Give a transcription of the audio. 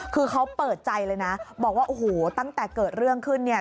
คือเขาเปิดใจเลยนะบอกว่าโอ้โหตั้งแต่เกิดเรื่องขึ้นเนี่ย